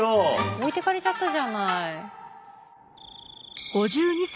置いてかれちゃったじゃない。